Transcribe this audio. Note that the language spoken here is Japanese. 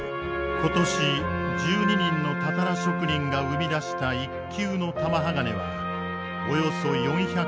今年１２人のたたら職人が生み出した一級の玉鋼はおよそ４００ｋｇ。